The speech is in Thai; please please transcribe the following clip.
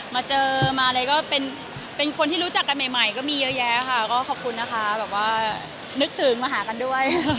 แบบว่านึกถึงมาหากันด้วย